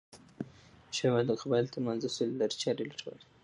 احمد شاه بابا د قبایلو ترمنځ د سولې لارې چاري لټولي.